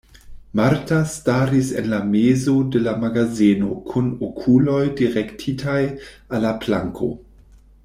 Marta staris en la mezo de la magazeno kun okuloj direktitaj al la planko.